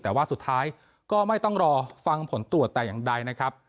แต่ว่าสุดท้ายก็ไม่ต้องรอฟังผลตรวจแต่อย่างใดนะครับ